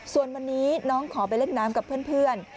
ส่วนวันนี้น้องขอไปเล่นน้ำกับเพื่อน